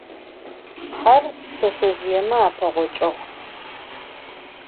Her pşseşsezjıême apeğoççığ.